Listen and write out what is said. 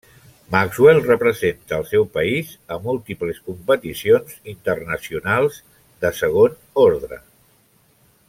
Maxwell representa el seu país a múltiples competicions internacionals de segon ordre.